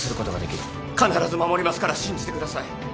必ず守りますから信じてください。